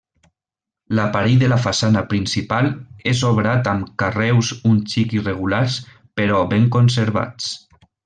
L'aparell de la façana principal és obrat amb carreus un xic irregulars, però ben conservats.